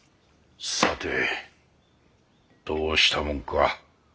さてどうしたもんか。